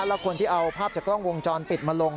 แล้วคนที่เอาภาพจากกล้องวงจรปิดมาลง